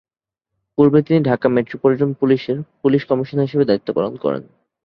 পূর্বে তিনি ঢাকা মেট্রোপলিটন পুলিশের পুলিশ কমিশনার হিসেবে দায়িত্ব পালন করেন।